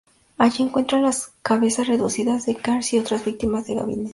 Allí, encuentra las cabezas reducidas de Kearns y otras víctimas en un gabinete.